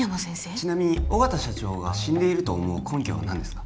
ちなみに緒方社長が死んでいると思う根拠は何ですか？